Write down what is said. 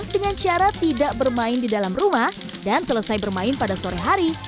dengan syarat tidak bermain di dalam rumah dan selesai bermain pada sore hari